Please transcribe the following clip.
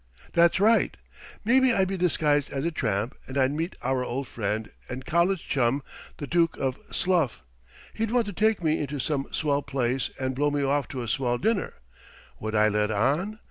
That's right. Maybe I'd be disguised as a tramp and I'd meet our old friend and college chum, the Dook of Sluff. He'd want to take me into some swell place and blow me off to a swell dinner. Would I let on?